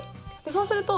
そうすると。